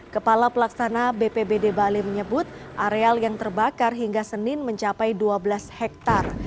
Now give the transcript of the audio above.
kepala pelaksana bpbd bali menyebut areal yang terbakar hingga senin mencapai dua belas hektare